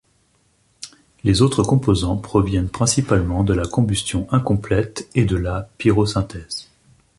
Les autres composants proviennent principalement de la combustion incomplète et de la pyrosynthèse.